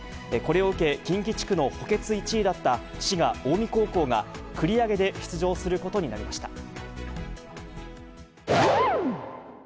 これを受け、近畿地区の補欠１位だった、滋賀・近江高校が、繰り上げで出場することになりました。